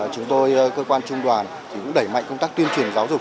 chúng tôi cơ quan trung đoàn cũng đẩy mạnh công tác tuyên truyền giáo dục